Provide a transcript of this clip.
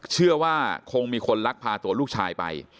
เชื่อว่าคงมีคนลักพาตัวลูกชายไป